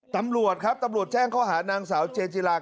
ตำรวจครับตำรวจแจ้งข้อหานางสาวเจนจิลา